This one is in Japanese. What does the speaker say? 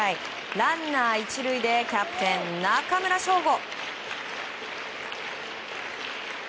ランナー１塁でキャプテン中村奨吾。